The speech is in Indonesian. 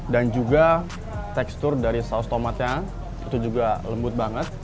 dan juga tekstur dari saus tomatnya itu juga lembut banget